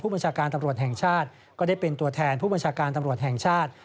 บัญชาการตำรวจแห่งชาติก็ได้เป็นตัวแทนผู้บัญชาการตำรวจแห่งชาติ